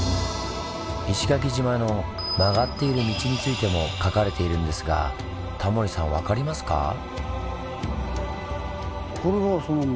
石垣島の曲がっている道についても書かれているんですがタモリさん分かりますか？